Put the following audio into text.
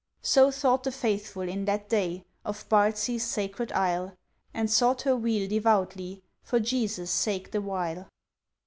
So thought the Faithful in that day, Of Bardsey's Sacred Isle, And sought her weal devoutly, For Jesu's sake the while.